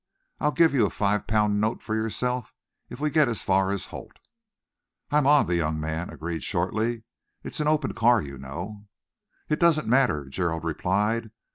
I'll give you a five pound note for yourself if we get as far as Holt." "I'm on," the young man agreed shortly. "It's an open car, you know." "It doesn't matter," Gerald replied.